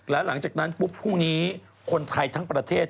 และหลังจากนั้นปุ๊บพรุ่งนี้คนไทยทั้งประเทศ